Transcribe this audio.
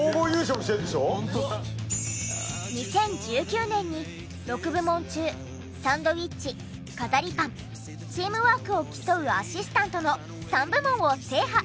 ２０１９年に６部門中サンドウィッチ飾りパンチームワークを競うアシスタントの３部門を制覇！